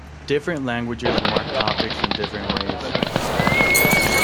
Different languages mark topics in different ways.